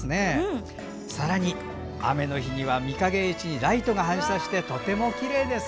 さらに、雨の日には御影石にライトが反射してとてもきれいです。